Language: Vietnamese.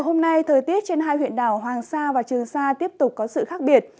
hôm nay thời tiết trên hai huyện đảo hoàng sa và trường sa tiếp tục có sự khác biệt